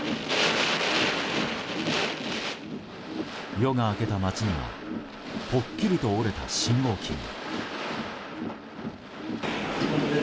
夜が明けた街にはぽっきりと折れた信号機が。